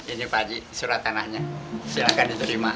ini pak haji surat tanahnya silahkan diterima